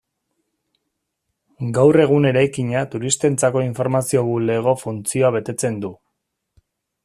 Gaur egun eraikina turistentzako informazio-bulego funtzioa betetzen du.